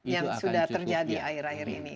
yang sudah terjadi akhir akhir ini